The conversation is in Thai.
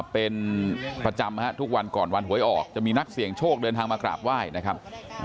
เป็นประจำทุกวันก่อนวันหวยออกจะมีนักเสี่ยงโชคเดินทางมากราบไหว้นะครับ